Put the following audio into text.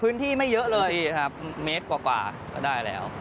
พื้นที่ไม่เยอะเลยพื้นที่ครับเมตรกว่ากว่าก็ได้แล้ว